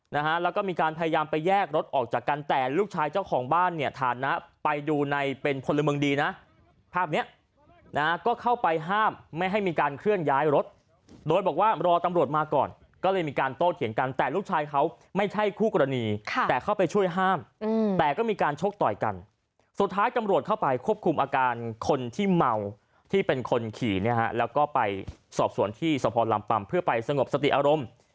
นะฮะแล้วก็มีการพยายามไปแยกรถออกจากกันแต่ลูกชายเจ้าของบ้านเนี่ยฐานนะไปดูในเป็นพลเมืองดีนะภาพเนี้ยนะฮะก็เข้าไปห้ามไม่ให้มีการเคลื่อนย้ายรถโดยบอกว่ารอตำรวจมาก่อนก็เลยมีการโต้เถียงกันแต่ลูกชายเขาไม่ใช่คู่กรณีค่ะแต่เข้าไปช่วยห้ามอืมแต่ก็มีการชกต่อยกันสุดท้ายตำรวจเข้าไปควบคุมอาการ